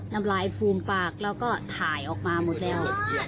น้ำลายฟูมปากแล้วก็ถ่ายออกมาหมดแล้ว